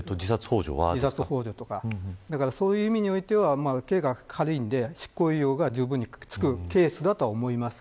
そういう意味においては刑が軽いので執行猶予がじゅうぶんにつくケースだと思います。